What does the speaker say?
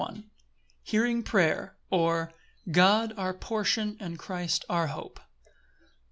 L. M. Hearing prayer; or, God our portion, and Christ our hope.